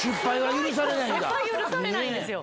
許されないんですよ。